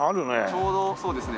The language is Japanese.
ちょうどそうですね